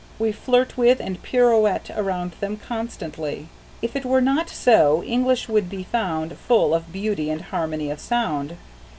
We flirt with and pirouette around them constantly. If it were not so, English would be found full of beauty and harmony of sound.